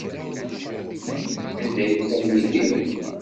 Anda ay ufan Yidir?